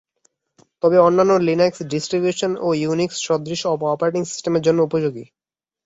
তবে অন্যান্য Linux distribution ও ইউনিক্স-সদৃশ অপারেটিং সিস্টেমের জন্যেও উপযোগী।